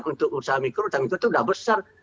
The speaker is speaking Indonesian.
untuk usaha mikro dan ultra mikro itu sudah besar